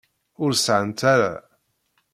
Ur sεant ara.